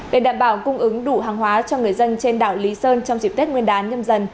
để đảm bảo cung ứng đủ hàng hóa cho người dân trên đảo lý sơn trong dịp tết nguyên